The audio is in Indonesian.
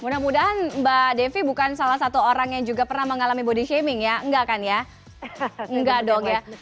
mudah mudahan mbak devi bukan salah satu orang yang juga pernah mengalami body shaming ya enggak kan ya enggak dong ya